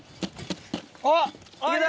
あっいけた！